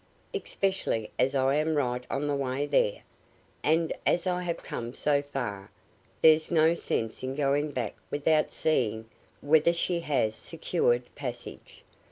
Especially as I am right on the way there.... And as I have come so far... there's no sense in going back without seeing whether she has secured passage....